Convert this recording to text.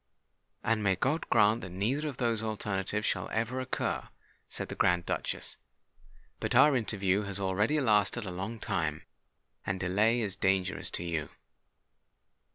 "And may God grant that neither of those alternatives shall ever occur!" said the Grand Duchess. "But our interview has already lasted a long time; and delay is dangerous to you."